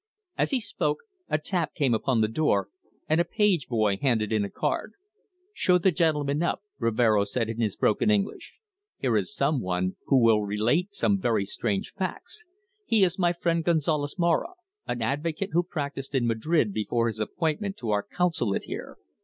As he spoke a tap came upon the door, and a page boy handed in a card. "Show the gentleman up," Rivero said in his broken English. "Here is someone who will relate some very strange facts. He is my friend Gonzalez Maura, an advocate who practised in Madrid before his appointment to our Consulate here.